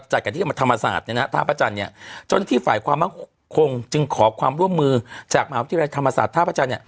จัดการที่ธรรมศาสตร์ท่าพระจันทร์จนที่ฝ่ายความคงจึงขอความร่วมมือจากมหาวิทยาลัยธรรมศาสตร์ท่าพระจันทร์